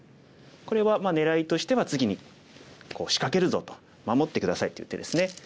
これはねらいとしては次に仕掛けるぞと守って下さいという手ですね。